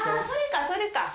それかそれか！